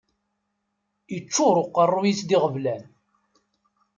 Iččuṛ uqeṛṛuy-is d iɣeblan